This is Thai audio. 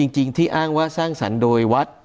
จริงที่อ้างว่าสร้างสรรค์โดยวัด